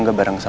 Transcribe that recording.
udah bisa sih